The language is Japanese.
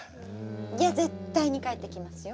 いや絶対に帰ってきますよ。